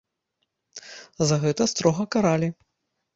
За гэта строга каралі.